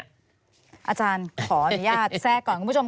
อาจารย์ขออนุญาตแทรกก่อนคุณผู้ชม